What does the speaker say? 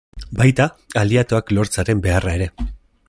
Baita, aliatuak lortzearen beharra ere.